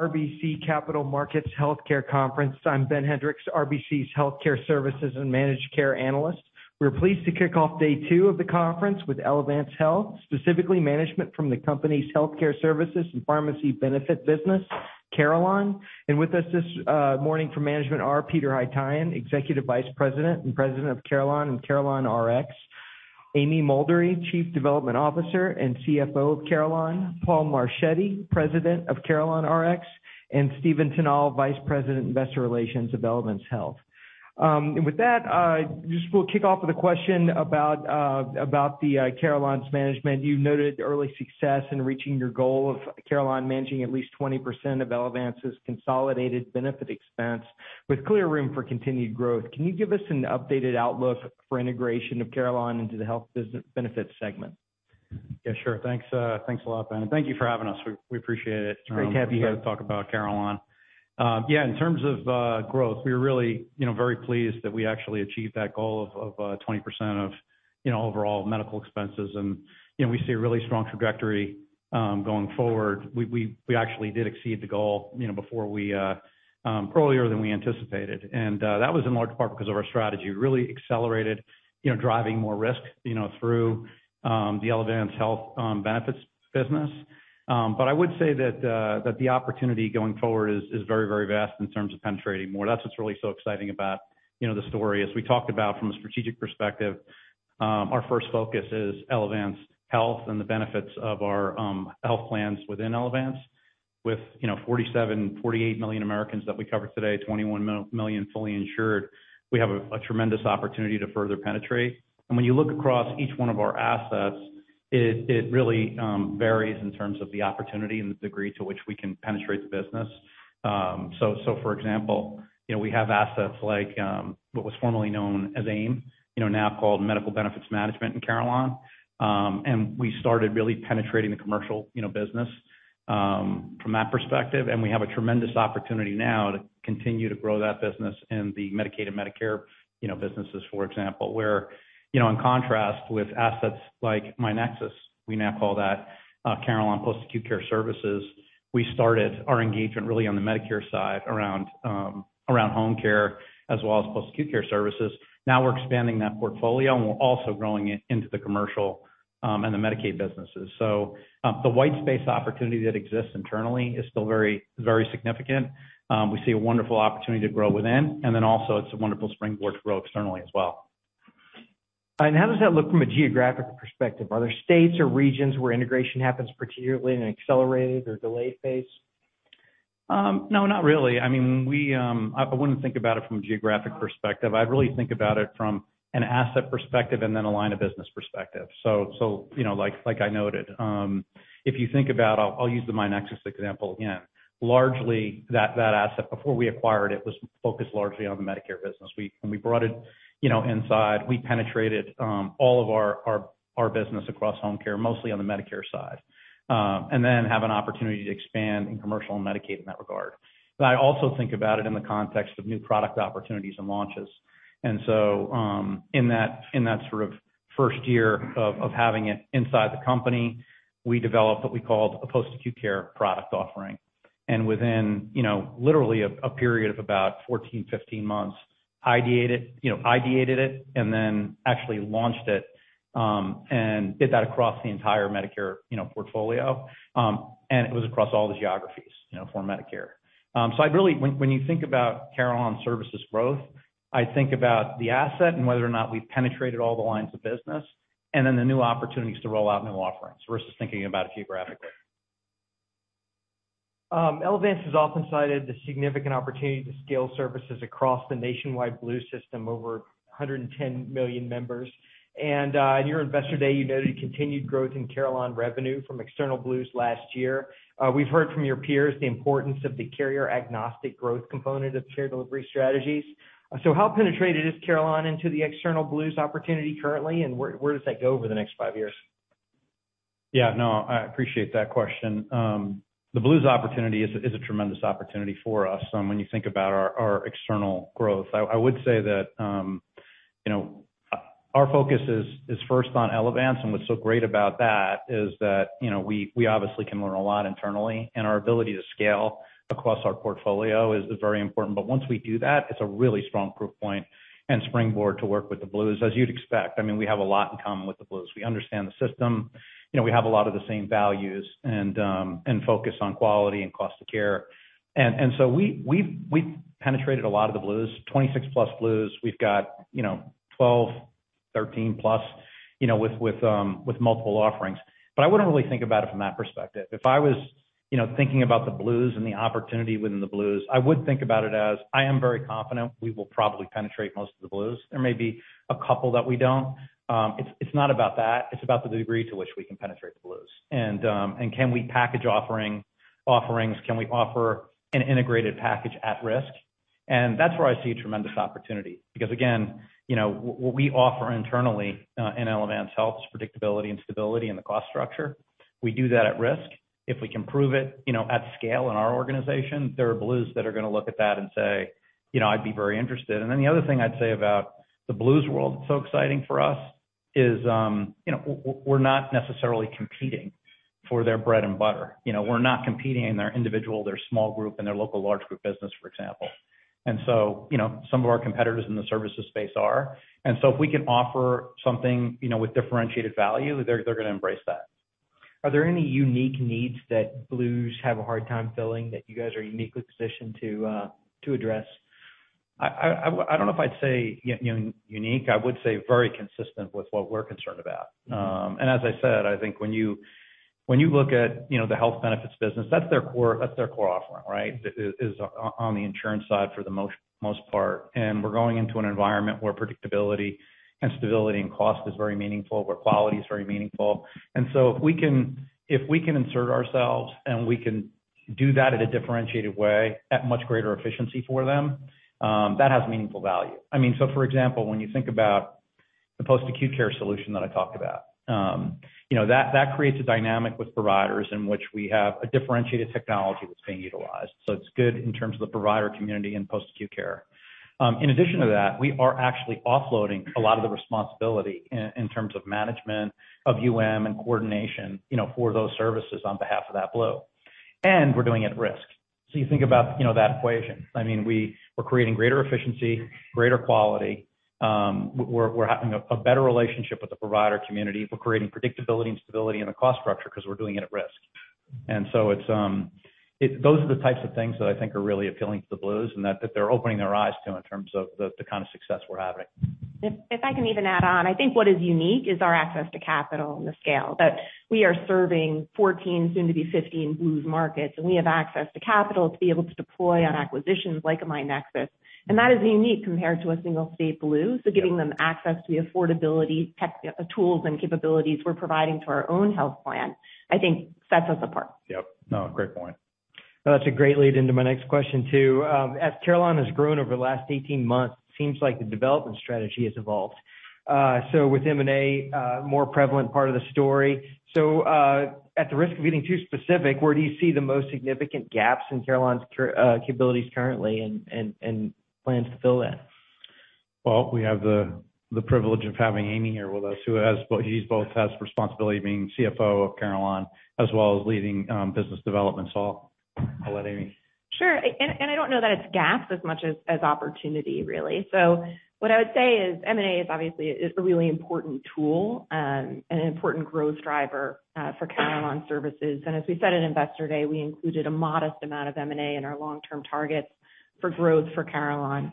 RBC Capital Markets Healthcare Conference. I'm Ben Hendrix, RBC's Healthcare Services and Managed Care analyst. We're pleased to kick off day two of the conference with Elevance Health, specifically management from the company's healthcare services and pharmacy benefit business, Carelon. With us this morning from management are Peter Haytaian, Executive Vice President and President of Carelon and CarelonRx. Amy Mulderry, Chief Development Officer and CFO of Carelon. Paul Marchetti, President of CarelonRx, and Stephen Tanal, Vice President Investor Relations of Elevance Health. With that, just we'll kick off with a question about about the Carelon's management. You noted early success in reaching your goal of Carelon managing at least 20% of Elevance's consolidated benefit expense with clear room for continued growth. Can you give us an updated outlook for integration of Carelon into the benefit segment? Yeah, sure. Thanks, thanks a lot, Ben. Thank you for having us. We appreciate it. Great to have you here.... and talk about Carelon. Yeah, in terms of growth, we're really, you know, very pleased that we actually achieved that goal of 20% of, you know, overall medical expenses. You know, we see a really strong trajectory going forward. We actually did exceed the goal, you know, before we earlier than we anticipated. That was in large part because of our strategy. Really accelerated, you know, driving more risk, you know, through the Elevance Health benefits business. I would say that the opportunity going forward is very, very vast in terms of penetrating more. That's what's really so exciting about, you know, the story. As we talked about from a strategic perspective, our first focus is Elevance Health and the benefits of our health plans within Elevance. With, you know, 47, 48 million Americans that we cover today, 21 million fully insured, we have a tremendous opportunity to further penetrate. When you look across each one of our assets, it really varies in terms of the opportunity and the degree to which we can penetrate the business. So, for example, you know, we have assets like what was formerly known as AIM, you know, now called Medical Benefits Management in Carelon. We started really penetrating the commercial, you know, business from that perspective. We have a tremendous opportunity now to continue to grow that business in the Medicaid and Medicare, you know, businesses, for example, where, you know, in contrast with assets like myNEXUS, we now call that Carelon Post-Acute Care Services. We started our engagement really on the Medicare side around home care as well as post-acute care services. Now we're expanding that portfolio, and we're also growing it into the commercial, and the Medicaid businesses. The white space opportunity that exists internally is still very, very significant. We see a wonderful opportunity to grow within, and then also it's a wonderful springboard to grow externally as well. How does that look from a geographic perspective? Are there states or regions where integration happens particularly in an accelerated or delayed phase? No, not really. I mean, I wouldn't think about it from a geographic perspective. I'd really think about it from an asset perspective and then a line of business perspective. You know, like I noted, I'll use the myNEXUS example again. Largely, that asset before we acquired it was focused largely on the Medicare business. When we brought it, you know, inside, we penetrated all of our business across home care, mostly on the Medicare side. Have an opportunity to expand in commercial and Medicaid in that regard. I also think about it in the context of new product opportunities and launches. In that sort of first year of having it inside the company, we developed what we called a post-acute care product offering. Within, you know, literally a period of about 14, 15 months, ideated it and then actually launched it, and did that across the entire Medicare, you know, portfolio. It was across all the geographies, you know, for Medicare. When you think about Carelon Services growth, I think about the asset and whether or not we've penetrated all the lines of business and then the new opportunities to roll out new offerings versus thinking about it geographically. Elevance has often cited the significant opportunity to scale services across the nationwide Blue System, over 110 million members. In your Investor Day, you noted continued growth in Carelon revenue from external Blues last year. We've heard from your peers the importance of the carrier agnostic growth component of care delivery strategies. How penetrated is Carelon into the external Blues opportunity currently, and where does that go over the next five years? Yeah, no, I appreciate that question. The Blues opportunity is a tremendous opportunity for us when you think about our external growth. I would say that, you know, our focus is first on Elevance, and what's so great about that is that, you know, we obviously can learn a lot internally, and our ability to scale across our portfolio is very important. Once we do that, it's a really strong proof point and springboard to work with the Blues, as you'd expect. I mean, we have a lot in common with the Blues. We understand the system. You know, we have a lot of the same values and focus on quality and cost of care. So we've penetrated a lot of the Blues, 26 plus Blues. We've got, you know, 12, 13 plus, you know, with multiple offerings. I wouldn't really think about it from that perspective. If I was, you know, thinking about the Blues and the opportunity within the Blues, I would think about it as, I am very confident we will probably penetrate most of the Blues. There may be a couple that we don't. It's not about that, it's about the degree to which we can penetrate the Blues. Can we package offerings? Can we offer an integrated package at risk? That's where I see a tremendous opportunity. Again, you know, what we offer internally in Elevance Health is predictability and stability in the cost structure. We do that at risk. If we can prove it, you know, at scale in our organization, there are Blues that are gonna look at that and say, "You know, I'd be very interested." The other thing I'd say about the Blues world that's so exciting for us is, you know, we're not necessarily competing for their bread and butter. You know, we're not competing in their individual, their small group, and their local large group business, for example. Some of our competitors in the services space are. If we can offer something, you know, with differentiated value, they're gonna embrace that. Are there any unique needs that Blues have a hard time filling that you guys are uniquely positioned to to address? I don't know if I'd say you know, unique. I would say very consistent with what we're concerned about. As I said, I think when you look at, you know, the health benefits business, that's their core offering, right? Is on the insurance side for the most part. We're going into an environment where predictability and stability and cost is very meaningful, where quality is very meaningful. If we can insert ourselves and we can do that in a differentiated way at much greater efficiency for them, that has meaningful value. I mean, for example, when you think about the post-acute care solution that I talked about, you know, that creates a dynamic with providers in which we have a differentiated technology that's being utilized. It's good in terms of the provider community in post-acute care. In addition to that, we are actually offloading a lot of the responsibility in terms of management of UM and coordination, you know, for those services on behalf of that Blue. We're doing it at risk. You think about, you know, that equation. I mean, we're creating greater efficiency, greater quality, we're having a better relationship with the provider community. We're creating predictability and stability in the cost structure because we're doing it at risk. It's those are the types of things that I think are really appealing to the Blues and that they're opening their eyes to in terms of the kind of success we're having. If I can even add on, I think what is unique is our access to capital and the scale, that we are serving 14, soon to be 15 Blues markets, and we have access to capital to be able to deploy on acquisitions like a myNEXUS. That is unique compared to a single state Blue. Giving them access to the affordability tech, tools and capabilities we're providing to our own health plan, I think sets us apart. Yep. No, great point. That's a great lead into my next question, too. As Carelon has grown over the last 18 months, it seems like the development strategy has evolved. With M&A, more prevalent part of the story. At the risk of getting too specific, where do you see the most significant gaps in Carelon's capabilities currently and plans to fill that? Well, we have the privilege of having Amy here with us, she both has responsibility being CFO of Carelon as well as leading business development. I'll let Amy. I don't know that it's gaps as much as opportunity, really. What I would say is M&A is obviously a really important tool and an important growth driver for Carelon Services. As we said at Investor Day, we included a modest amount of M&A in our long-term targets for growth for Carelon.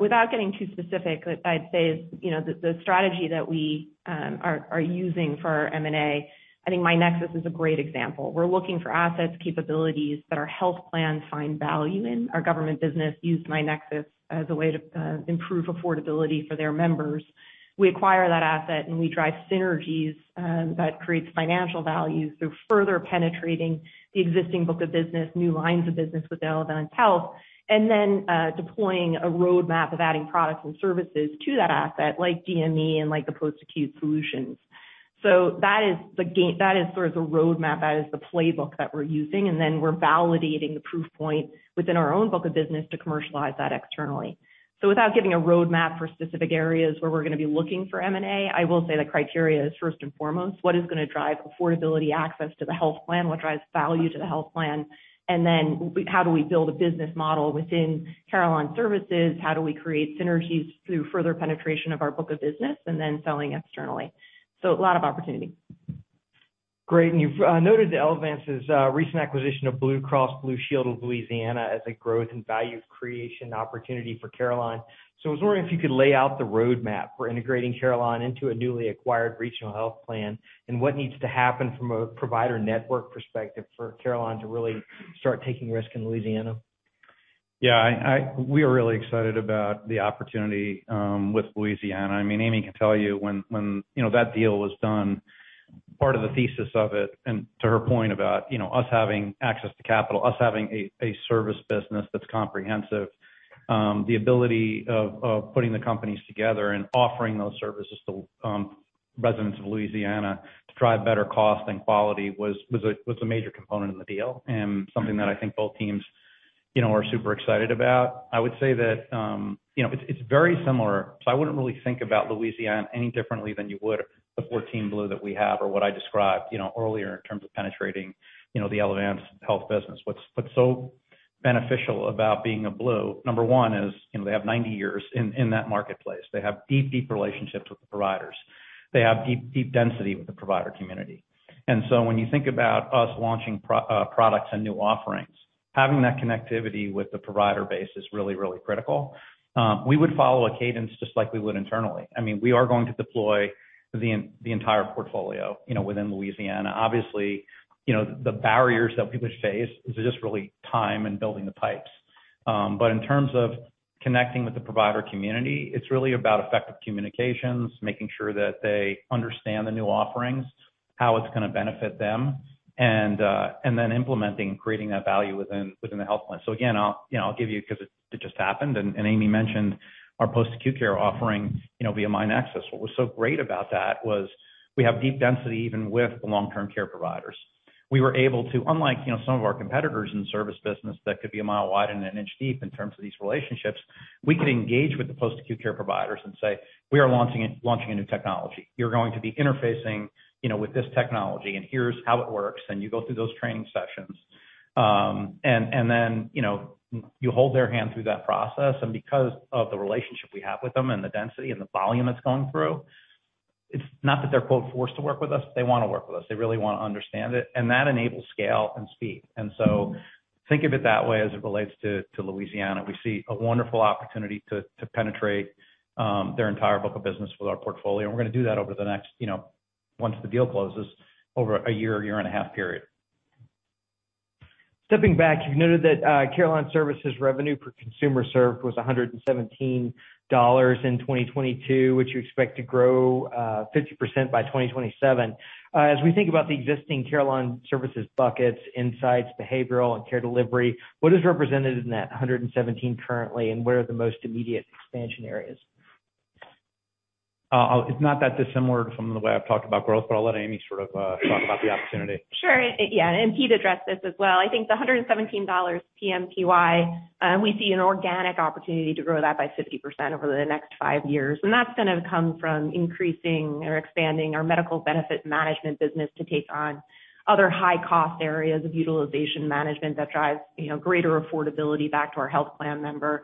Without getting too specific, I'd say, you know, the strategy that we are using for our M&A, I think myNEXUS is a great example. We're looking for assets, capabilities that our health plans find value in. Our government business used myNEXUS as a way to improve affordability for their members. We acquire that asset, and we drive synergies, that creates financial value through further penetrating the existing book of business, new lines of business with Elevance Health, and then, deploying a roadmap of adding products and services to that asset, like DME and like the post-acute solutions. That is sort of the roadmap, that is the playbook that we're using, and then we're validating the proof point within our own book of business to commercialize that externally. Without giving a roadmap for specific areas where we're gonna be looking for M&A, I will say the criteria is first and foremost, what is gonna drive affordability access to the health plan? What drives value to the health plan? How do we build a business model within Carelon Services? How do we create synergies through further penetration of our book of business and then selling externally? A lot of opportunity. Great. You've noted that Elevance's recent acquisition of Blue Cross and Blue Shield of Louisiana as a growth and value creation opportunity for Carelon. I was wondering if you could lay out the roadmap for integrating Carelon into a newly acquired regional health plan, and what needs to happen from a provider network perspective for Carelon to really start taking risk in Louisiana. Yeah, we are really excited about the opportunity with Louisiana. I mean, Amy can tell you when, you know, that deal was done, part of the thesis of it, and to her point about, you know, us having access to capital, us having a service business that's comprehensive, the ability of putting the companies together and offering those services to residents of Louisiana to drive better cost and quality was a major component of the deal and something that I think both teams, you know, are super excited about. I would say that, you know, it's very similar, so I wouldn't really think about Louisiana any differently than you would the 14 Blue that we have or what I described, you know, earlier in terms of penetrating, you know, the Elevance Health business. What's so beneficial about being a Blue, number one is, you know, they have 90 years in that marketplace. They have deep relationships with the providers. They have deep density with the provider community. When you think about us launching products and new offerings, having that connectivity with the provider base is really critical. We would follow a cadence just like we would internally. I mean, we are going to deploy the entire portfolio, you know, within Louisiana. Obviously, you know, the barriers that people face is just really time and building the pipes. In terms of connecting with the provider community, it's really about effective communications, making sure that they understand the new offerings, how it's gonna benefit them, and then implementing, creating that value within the health plan. Again, I'll, you know, I'll give you because it just happened, and Amy mentioned our post-acute care offering, you know, via myNEXUS. What was so great about that was we have deep density even with the long-term care providers. We were able to, unlike, you know, some of our competitors in service business that could be a mile wide and an inch deep in terms of these relationships, we could engage with the post-acute care providers and say, "We are launching a new technology. You're going to be interfacing, you know, with this technology, and here's how it works, and you go through those training sessions." You know, you hold their hand through that process. Because of the relationship we have with them and the density and the volume that's going through, it's not that they're, quote, "forced to work with us," they wanna work with us. They really wanna understand it, and that enables scale and speed. Think of it that way as it relates to Louisiana. We see a wonderful opportunity to penetrate their entire book of business with our portfolio, and we're gonna do that over the next, you know, once the deal closes, over a year and a half period. Stepping back, you've noted that, Carelon Services revenue per consumer served was $117 in 2022, which you expect to grow 50% by 2027. As we think about the existing Carelon Services buckets, insights, behavioral and care delivery, what is represented in that $117 currently, and where are the most immediate expansion areas? It's not that dissimilar from the way I've talked about growth, but I'll let Amy sort of, talk about the opportunity. Sure. Yeah, Peter addressed this as well. I think the $117 PMPY, we see an organic opportunity to grow that by 50% over the next five years, and that's gonna come from increasing or expanding our medical benefit management business to take on other high-cost areas of utilization management that drives, you know, greater affordability back to our health plan member.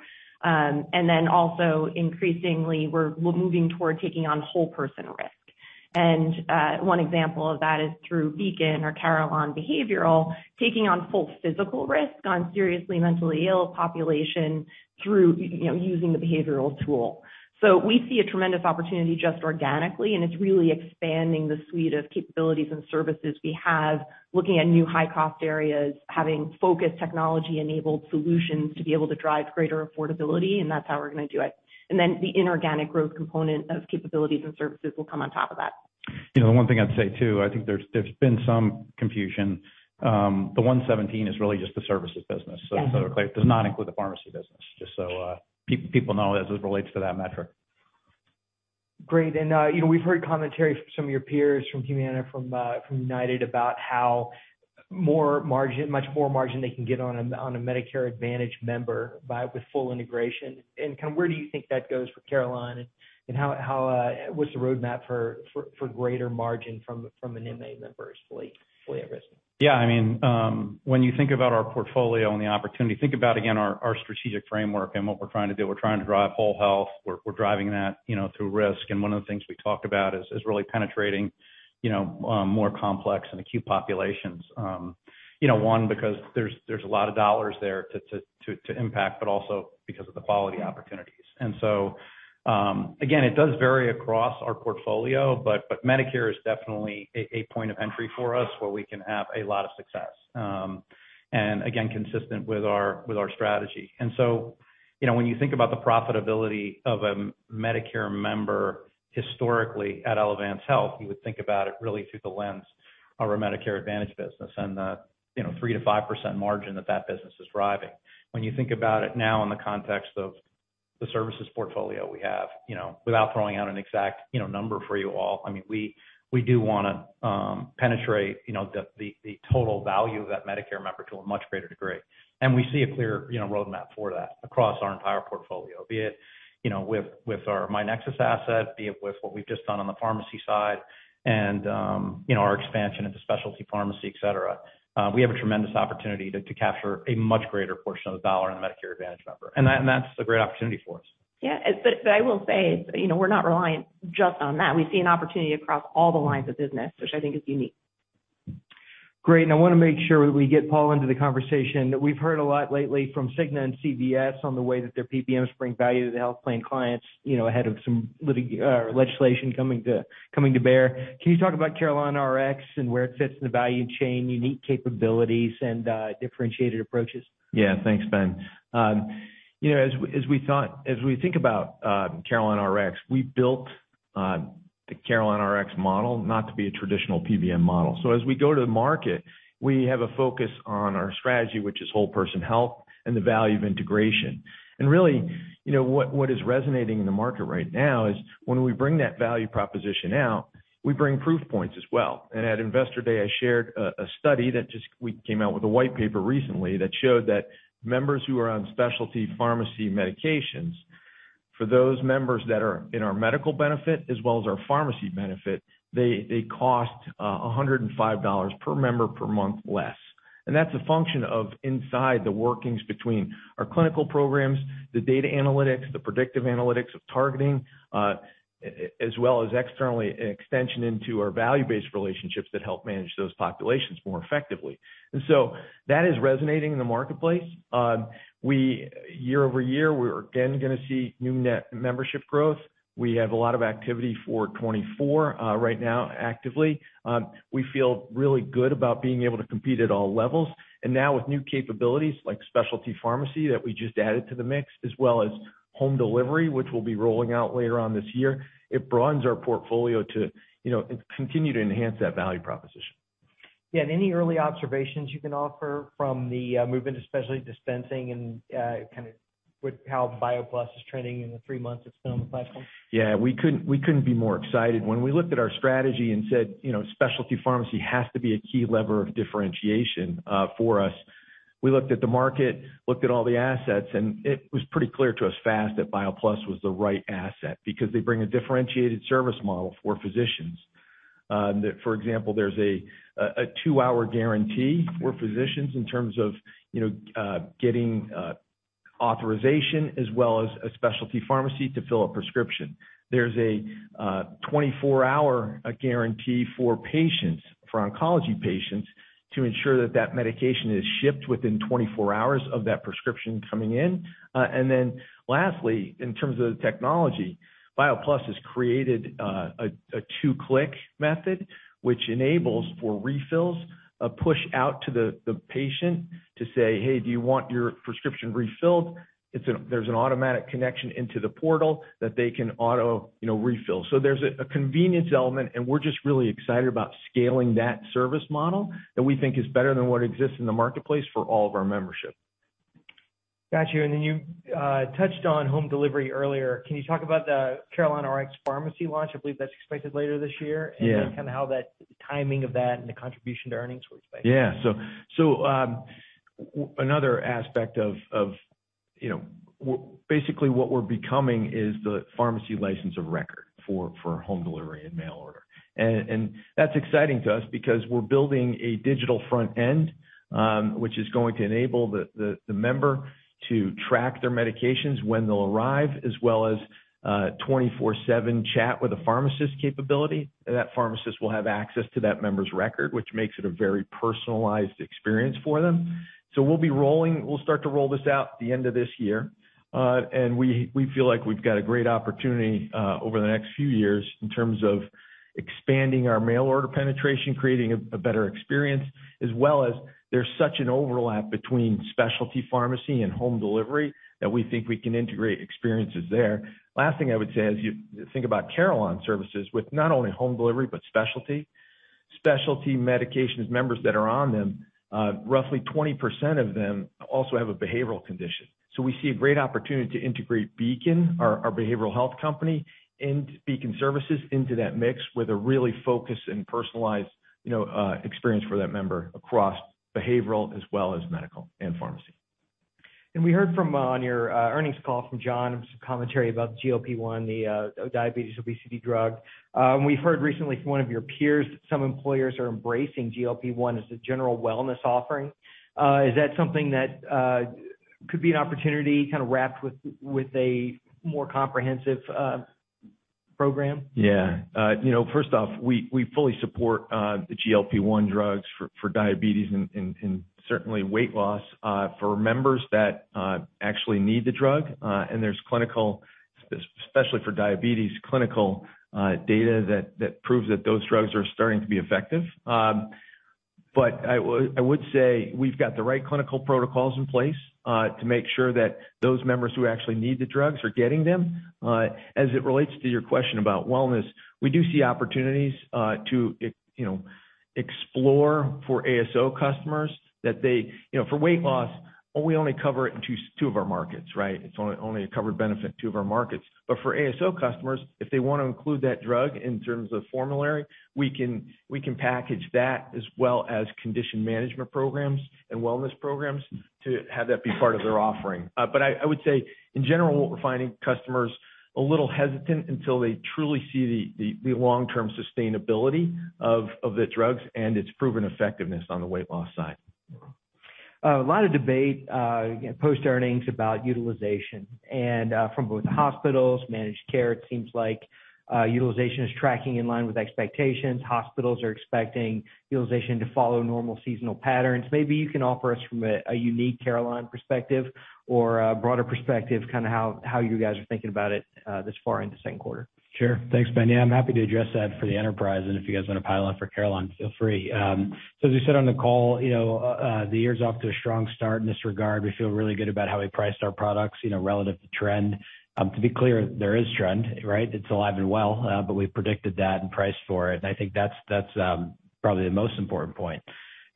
Also increasingly, we're moving toward taking on whole person risk. One example of that is through Beacon or Carelon Behavioral, taking on full physical risk on seriously mentally ill population through, you know, using the behavioral tool. We see a tremendous opportunity just organically, and it's really expanding the suite of capabilities and services we have, looking at new high-cost areas, having focused technology-enabled solutions to be able to drive greater affordability, and that's how we're gonna do it. Then the inorganic growth component of capabilities and services will come on top of that. You know, the one thing I'd say too, I think there's been some confusion. The 117 is really just the services business. It does not include the pharmacy business, just so, people know as it relates to that metric. Great. You know, we've heard commentary from some of your peers, from Humana, from United about how more margin, much more margin they can get on a Medicare Advantage member with full integration. Kind of where do you think that goes for Carelon, and how, what's the roadmap for greater margin from an MA member who's fully at risk? Yeah, I mean, when you think about our portfolio and the opportunity, think about, again, our strategic framework and what we're trying to do. We're driving whole health. We're driving that, you know, through risk. One of the things we talked about is really penetrating, you know, more complex and acute populations. You know, one, because there's a lot of dollars there to impact, but also because of the quality opportunities. Again, it does vary across our portfolio, but Medicare is definitely a point of entry for us where we can have a lot of success, and again, consistent with our strategy. You know, when you think about the profitability of a Medicare member historically at Elevance Health, you would think about it really through the lens of our Medicare Advantage business and the, you know, 3%-5% margin that that business is driving. When you think about it now in the context of the services portfolio we have, you know, without throwing out an exact, you know, number for you all, I mean, we do wanna penetrate, you know, the, the total value of that Medicare member to a much greater degree. We see a clear, you know, roadmap for that across our entire portfolio. Be it, you know, with our myNEXUS asset, be it with what we've just done on the pharmacy side and, you know, our expansion into specialty pharmacy, et cetera. We have a tremendous opportunity to capture a much greater portion of the dollar in the Medicare Advantage member. That's a great opportunity for us. Yeah. I will say, you know, we're not reliant just on that. We see an opportunity across all the lines of business, which I think is unique. Great. I wanna make sure we get Paul into the conversation. We've heard a lot lately from Cigna and CVS on the way that their PBMs bring value to the health plan clients, you know, ahead of some or legislation coming to bear. Can you talk about CarelonRx and where it fits in the value chain, unique capabilities and differentiated approaches? Yeah. Thanks, Ben Hendrix. You know, as we think about CarelonRx, we built the CarelonRx model not to be a traditional PBM model. As we go to the market, we have a focus on our strategy, which is whole person health and the value of integration. Really, you know, what is resonating in the market right now is when we bring that value proposition out, we bring proof points as well. At Investor Day, I shared a study that we came out with a white paper recently that showed that members who are on specialty pharmacy medications, for those members that are in our medical benefit as well as our pharmacy benefit, they cost $105 per member per month less. That's a function of inside the workings between our clinical programs, the data analytics, the predictive analytics of targeting, as well as externally an extension into our value-based relationships that help manage those populations more effectively. That is resonating in the marketplace. Year-over-year, we're again gonna see new net membership growth. We have a lot of activity for 2024, right now actively. We feel really good about being able to compete at all levels. Now with new capabilities like specialty pharmacy that we just added to the mix, as well as home delivery, which we'll be rolling out later on this year, it broadens our portfolio to, you know, continue to enhance that value proposition. Yeah. Any early observations you can offer from the movement, especially dispensing and With how BioPlus is trending in the three months it's been on the platform. Yeah. We couldn't be more excited. When we looked at our strategy and said, you know, specialty pharmacy has to be a key lever of differentiation for us, we looked at the market, looked at all the assets, and it was pretty clear to us fast that BioPlus was the right asset because they bring a differentiated service model for physicians. That, for example, there's a two-hour guarantee for physicians in terms of, you know, getting authorization as well as a specialty pharmacy to fill a prescription. There's a 24-hour guarantee for patients, for oncology patients to ensure that that medication is shipped within 24 hours of that prescription coming in. Lastly, in terms of the technology, BioPlus has created a two-click method which enables for refills, a push out to the patient to say, "Hey, do you want your prescription refilled?" There's an automatic connection into the portal that they can auto, you know, refill. There's a convenience element. We're just really excited about scaling that service model that we think is better than what exists in the marketplace for all of our membership. Got you. You touched on home delivery earlier. Can you talk about the CarelonRx pharmacy launch? I believe that's expected later this year. Yeah. Kinda how that timing of that and the contribution to earnings we're expecting. Another aspect of, you know, basically what we're becoming is the pharmacy license of record for home delivery and mail order. That's exciting to us because we're building a digital front end, which is going to enable the member to track their medications when they'll arrive, as well as a 24/7 chat with a pharmacist capability. That pharmacist will have access to that member's record, which makes it a very personalized experience for them. We'll start to roll this out at the end of this year. And we feel like we've got a great opportunity over the next few years in terms of expanding our mail order penetration, creating a better experience, as well as there's such an overlap between specialty pharmacy and home delivery that we think we can integrate experiences there. Last thing I would say, as you think about Carelon Services with not only home delivery, but specialty medications, members that are on them, roughly 20% of them also have a behavioral condition. We see a great opportunity to integrate Beacon, our behavioral health company, and Beacon services into that mix with a really focused and personalized, you know, experience for that member across behavioral as well as medical and pharmacy. We heard from on your earnings call from John and some commentary about the GLP-1, the diabetes, obesity drug. We've heard recently from one of your peers that some employers are embracing GLP-1 as a general wellness offering. Is that something that could be an opportunity kinda wrapped with a more comprehensive program? You know, first off, we fully support the GLP-1 drugs for diabetes and certainly weight loss, for members that actually need the drug. There's clinical, especially for diabetes, clinical data that proves that those drugs are starting to be effective. I would say we've got the right clinical protocols in place to make sure that those members who actually need the drugs are getting them. As it relates to your question about wellness, we do see opportunities to you know, explore for ASO customers. You know, for weight loss, we only cover it in two of our markets, right? It's only a covered benefit in two of our markets. For ASO customers, if they wanna include that drug in terms of formulary, we can package that as well as condition management programs and wellness programs to have that be part of their offering. I would say in general, we're finding customers a little hesitant until they truly see the long-term sustainability of the drugs and its proven effectiveness on the weight loss side. A lot of debate post earnings about utilization. From both hospitals, managed care, it seems like utilization is tracking in line with expectations. Hospitals are expecting utilization to follow normal seasonal patterns. Maybe you can offer us from a unique Carelon perspective or a broader perspective kinda how you guys are thinking about it this far in the Q2. Sure. Thanks, Ben. Yeah, I'm happy to address that for the enterprise. If you guys want to pile on for Carelon, feel free. As we said on the call, you know, the year's off to a strong start in this regard. We feel really good about how we priced our products, you know, relative to trend. To be clear, there is trend, right? It's alive and well, but we predicted that and priced for it. I think that's probably the most important point.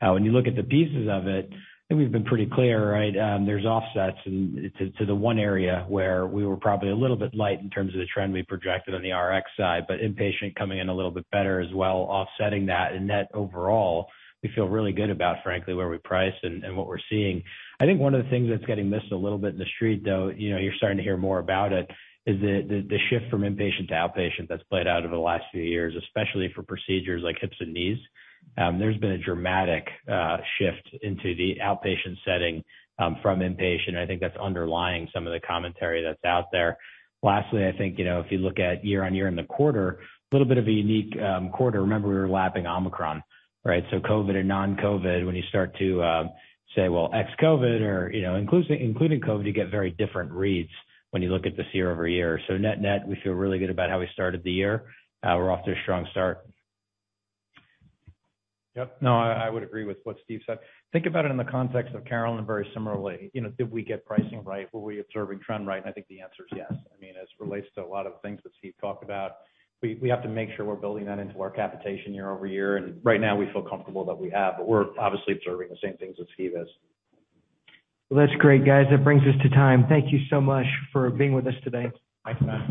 When you look at the pieces of it, I think we've been pretty clear, right? There's offsets and to the one area where we were probably a little bit light in terms of the trend we projected on the RX side, but inpatient coming in a little bit better as well, offsetting that. Net overall, we feel really good about, frankly, where we priced and what we're seeing. I think one of the things that's getting missed a little bit in the street, though, you know, you're starting to hear more about it, is the shift from inpatient to outpatient that's played out over the last few years, especially for procedures like hips and knees. There's been a dramatic shift into the outpatient setting from inpatient. I think that's underlying some of the commentary that's out there. Lastly, I think, you know, if you look at year-over-year in the quarter, a little bit of a unique quarter. Remember, we were lapping Omicron, right? COVID or non-COVID, when you start to say, well, ex-COVID or, you know, including COVID, you get very different reads when you look at this year-over-year. Net-net, we feel really good about how we started the year. We're off to a strong start. Yep. No, I would agree with what Stephen said. Think about it in the context of Carelon very similarly. You know, did we get pricing right? Were we observing trend right? I think the answer is yes. I mean, as it relates to a lot of the things that Stephen talked about, we have to make sure we're building that into our capitation year-over-year. Right now, we feel comfortable that we have, but we're obviously observing the same things as Stephen is. Well, that's great, guys. That brings us to time. Thank you so much for being with us today. Thanks, Ben.